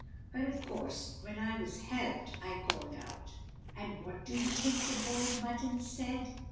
But, of course, when I was helped I called out. And what do you think the boy in buttons said?"